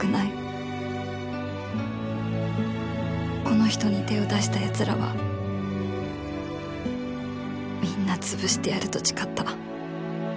この人に手を出した奴らはみんな潰してやると誓った